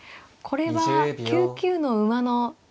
これは９九の馬の筋を。